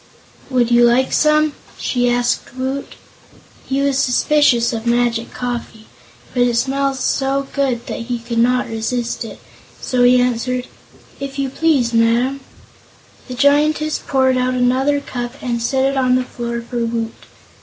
"Would you like some?" she asked Woot. He was suspicious of magic coffee, but it smelled so good that he could not resist it; so he answered: "If you please, Madam." The Giantess poured out another cup and set it on the floor for Woot.